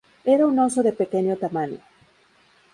Era un oso de pequeño tamaño.